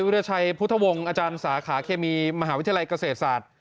วิทยาชัยพุทธวงศ์อาจารย์สาขาเคมีมหาวิทยาลัยเกษตรศาสตร์